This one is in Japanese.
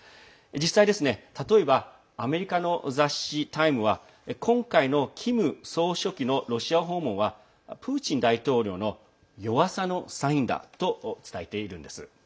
実際、例えばアメリカの雑誌「タイム」は今回のキム総書記のロシア訪問はプーチン大統領の弱さのサインだと伝えているんです。